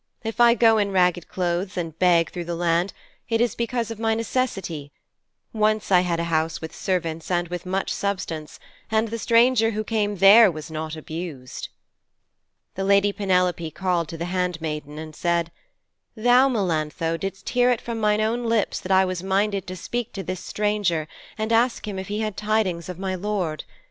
If I go in ragged clothes and beg through the land it is because of my necessity. Once I had a house with servants and with much substance, and the stranger who came there was not abused.' The lady Penelope called to the handmaiden and said, 'Thou, Melantho, didst hear it from mine own lips that I was minded to speak to this stranger and ask him if he had tidings of my lord.